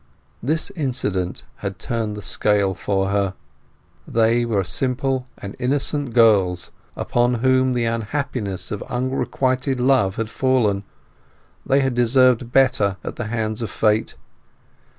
This incident had turned the scale for her. They were simple and innocent girls on whom the unhappiness of unrequited love had fallen; they had deserved better at the hands of Fate.